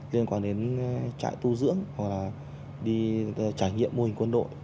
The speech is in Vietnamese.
liên quan đến trại tu dưỡng hoặc là đi trải nghiệm mô hình quân đội